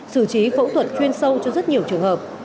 xử trí phẫu thuật chuyên sâu cho rất nhiều trường hợp